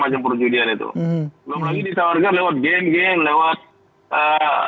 lewat link link tertentu itu ditawarkan lewat segala macam